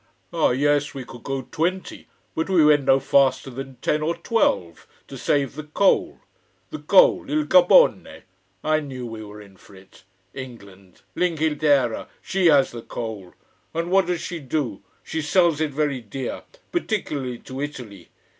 Ah, yes, we could go twenty. But we went no faster than ten or twelve, to save the coal. The coal il carbone! I knew we were in for it. England l'Inghilterra she has the coal. And what does she do? She sells it very dear. Particularly to Italy.